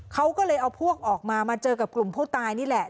เขาก็เลยเอาพวกออกมามาเจอกับกลุ่มผู้ตายนี่แหละ